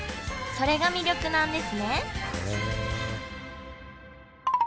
それが魅力なんですね